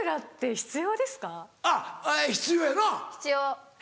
必要。